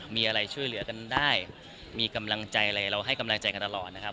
มีอะไรช่วยเหลือกันได้มีกำลังใจอะไรเราให้กำลังใจกันตลอดนะครับ